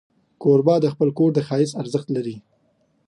کوربه د خپل کور د ښایست ارزښت لري.